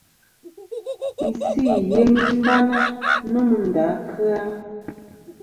Isɨ i yemi bana nomɨ nda kɨ-a.